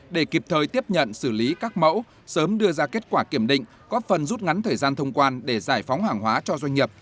để kịp thời tiếp nhận xử lý các mẫu sớm đưa ra kết quả kiểm định có phần rút ngắn thời gian thông quan để giải phóng hàng hóa cho doanh nghiệp